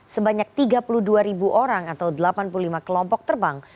sebanyak tiga puluh dua orang atau delapan puluh lima kelompok terbang